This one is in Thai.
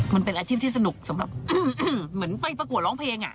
มันเป็นอาชีพที่สนุกเหมือนไปประกวดร้องเพลง